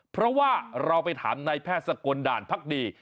เพราะว่าเราไปถามนายแพทย์สกลด่านพักดี